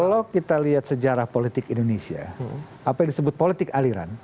kalau kita lihat sejarah politik indonesia apa yang disebut politik aliran